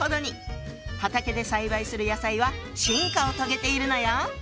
畑で栽培する野菜は進化を遂げているのよ！